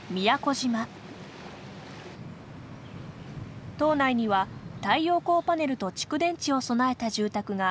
島内には太陽光パネルと蓄電池を備えた住宅が７００以上あります。